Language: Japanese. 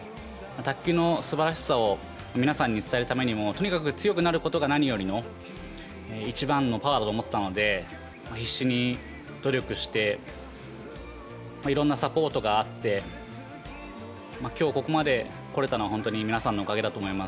卓球の素晴らしさを皆さんに伝えるためにもとにかく強くなることが何よりの一番のパワーだと思っていたので必死に努力して色んなサポートがあって今日ここまで来れたのは皆さんのおかげだと思います。